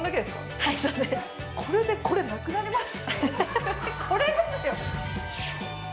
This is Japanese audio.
これでこれなくなります？